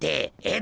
え？